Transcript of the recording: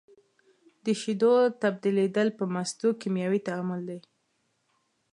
د شیدو تبدیلیدل په مستو کیمیاوي تعامل دی.